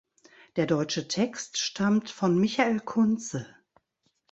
Der deutsche Text stammt von Michael Kunze.